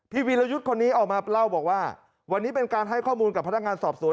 วีรยุทธ์คนนี้ออกมาเล่าบอกว่าวันนี้เป็นการให้ข้อมูลกับพนักงานสอบสวน